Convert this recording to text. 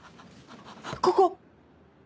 ここ。